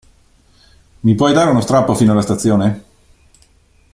Mi puoi dare uno strappo fino alla stazione?